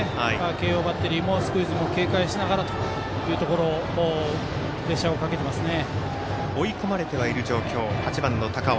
慶応バッテリー、スクイズも警戒しながらというところでプレッシャーをかけてますね。